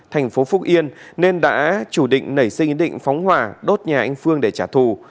thành phố phúc yên nên đã chủ định nảy sinh ý định phóng hỏa đốt nhà anh phương để trả thù